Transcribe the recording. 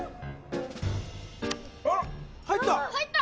あっ入った！